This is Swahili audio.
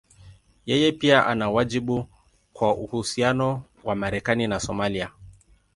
Yeye pia ana wajibu kwa uhusiano wa Marekani na Somalia.